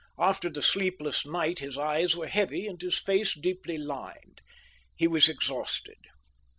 After the sleepless night his eyes were heavy and his face deeply lined. He was exhausted.